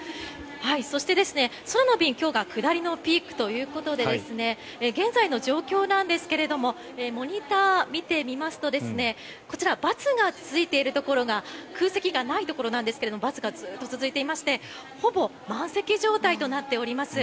そして空の便今日が下りのピークということで現在の状況なんですがモニターを見てみますとこちらばつがついているところが空席がないところなんですがばつがずっと続いていましてほぼ満席状態となっております。